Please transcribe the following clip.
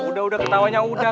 udah udah ketawanya udah